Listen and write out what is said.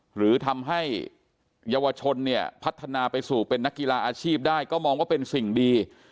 หรือทำให้เยาวชนเนี่ยพัฒนาไปสู่เป็นนักกีฬาอาชีพได้ก็มองว่าเป็นสิ่งดี